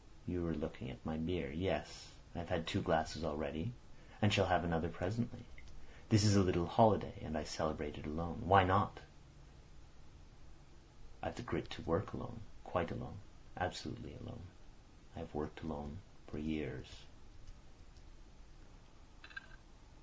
You're looking at my beer. Yes. I have had two glasses already, and shall have another presently. This is a little holiday, and I celebrate it alone. Why not? I've the grit to work alone, quite alone, absolutely alone. I've worked alone for years."